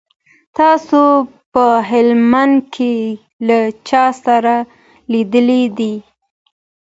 تاسو په هلمند کي له چا سره لیدلي دي؟